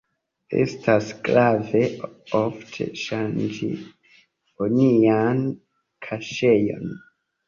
Estas grave ofte ŝanĝi onian kaŝejon.